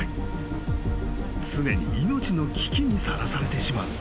［常に命の危機にさらされてしまう］